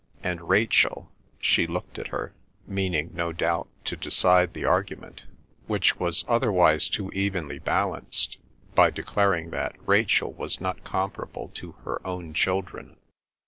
"And Rachel," she looked at her, meaning, no doubt, to decide the argument, which was otherwise too evenly balanced, by declaring that Rachel was not comparable to her own children.